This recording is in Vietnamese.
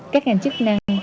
các hành chức năng